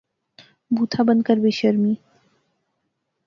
بوتھا بند کر، بے شرمی